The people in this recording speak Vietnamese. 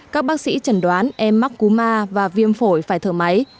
các bác sĩ chẳng đoán em mắc cúm a và viêm phổi phải thở máy